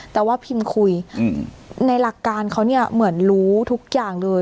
แต่ว่าพิมคุยในหลักการเขาเนี่ยเหมือนรู้ทุกอย่างเลย